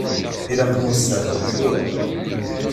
Ilaq-am usteɛfu seg tura.